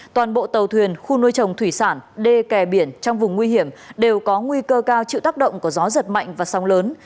toàn bộ tàu thuyền khu nuôi trồng thủy sản đê kè biển trong vùng nguy hiểm đều có nguy cơ cao chịu tác động của gió giật mạnh và sóng lớn